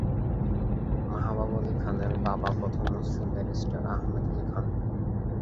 মাহবুব আলী খানের বাবা প্রথম মুসলিম ব্যারিস্টার আহমেদ আলী খান।